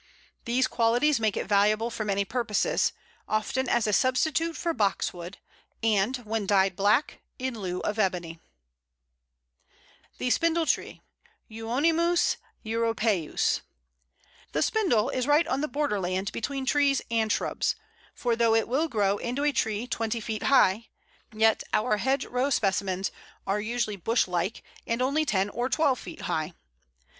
These qualities make it valuable for many purposes, often as a substitute for Box wood, and, when dyed black, in lieu of Ebony. [Illustration: Pl. 85. Spindle winter.] The Spindle tree (Euonymus europæus). The Spindle is right on the borderland between trees and shrubs, for though it will grow into a tree twenty feet high, yet our hedgerow specimens are usually bushlike, and only ten or twelve feet high.